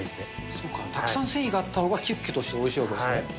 そっか、たくさん繊維があったほうがきゅっきゅとしておいしいわけですね。